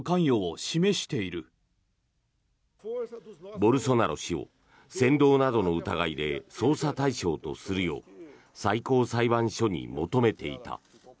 ボルソナロ氏を扇動などの疑いで捜査対象とするよう最高裁判所に求めていた。